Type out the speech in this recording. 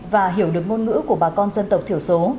và hiểu được ngôn ngữ của bà con dân tộc thiểu số